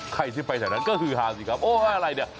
ใครที่ไปแถวนั้นก็คือฮาสิครับโอ้อะไรเนี่ย